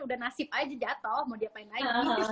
udah nasib aja jatuh mau diapain lagi